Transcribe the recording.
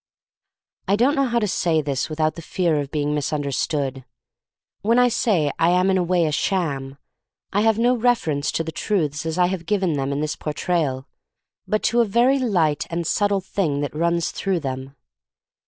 I don't know how to say this without the fear of being misunderstood. When I say I am in a way a sham, I have no reference to the truths as I have given them in this Portrayal, but to a very light and subtle thing that runs through them.